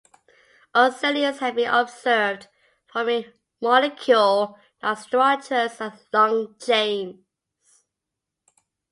Oscillons have been observed forming 'molecule' like structures and long chains.